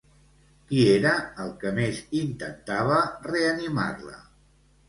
Qui era el que més intentava reanimar-la?